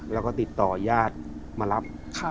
แล้วก็ติดต่อญาติมารับ